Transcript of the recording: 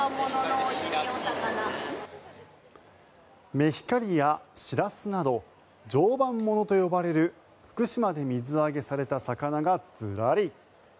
メヒカリやシラスなど常磐ものと呼ばれる福島で水揚げされた魚がずらり。